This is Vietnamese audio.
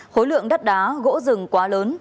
hối lượng đất đá gỗ rừng quá lớn